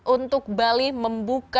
untuk bali membuka